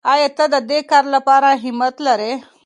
آیا ته د دې کار لپاره همت لرې؟